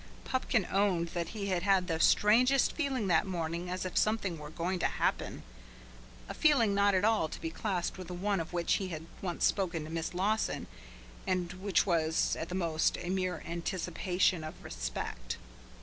Pupkin owned that he had had the strangest feeling that morning as if something were going to happen a feeling not at all to be classed with the one of which he had once spoken to Miss Lawson, and which was, at the most, a mere anticipation of respect.